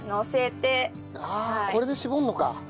あっこれで絞るのか。